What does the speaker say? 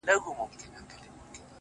• ته مي لیدې چي دي د پرخي مرغلیني دانې ,